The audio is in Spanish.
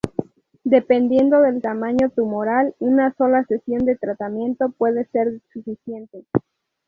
Dependiendo del tamaño tumoral, una sola sesión de tratamiento puede ser suficiente.